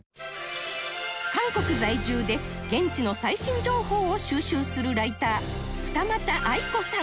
韓国在住で現地の最新情報を収集するライター二俣愛子さん